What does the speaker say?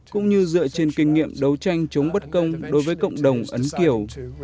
cũng như dựa trên kinh nghiệm đấu tranh chống bất công đối với cộng đồng ấn kiểu